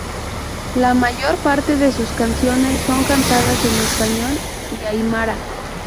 La mayor parte de sus canciones son cantadas en español y aymara.